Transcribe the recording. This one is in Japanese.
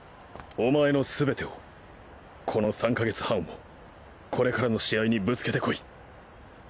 お前のすべてをこの３か月半をこれからの試合にぶつけてこい！